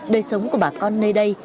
đời sống của bà con nơi đây